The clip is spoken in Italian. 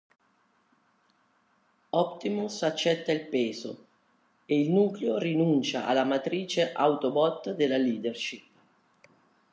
Optimus accetta il peso e il nucleo rinuncia alla matrice Autobot della leadership.